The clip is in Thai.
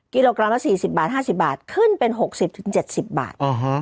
กิโลกรัมละ๔๐บาท๕๐บาทขึ้นเป็น๖๐๗๐บาท